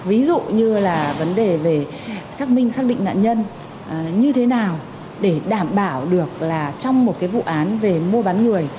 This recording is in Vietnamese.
ví dụ như là vấn đề về xác minh xác định nạn nhân như thế nào để đảm bảo được là trong một cái vụ án về mua bán người